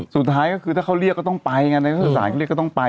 สุดท้ายก็คือถ้าเขาเรียกก็ต้องไปถ้าขึ้นศาลเรียกก็ต้องไป